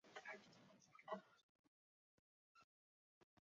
一楼圆形大厅的内部装潢主要为铸铁造成的圆顶及绘于墙上的八幅壁画。